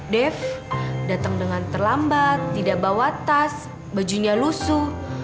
dev datang dengan terlambat tidak bawa tas bajunya lusu